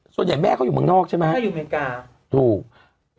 ส่วนใหญ่แม่เขาอยู่เมืองนอกใช่ไหมฮะอยู่อเมริกาถูก